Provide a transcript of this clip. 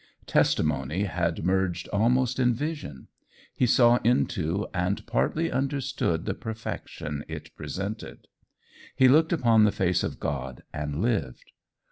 Testimony had merged almost in vision: he saw into, and partly understood the perfection it presented: he looked upon the face of God and lived.